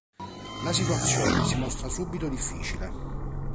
La situazione si mostra subito difficile.